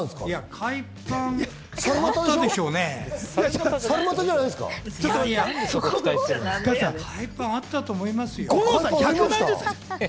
海パンあったと思いますよ。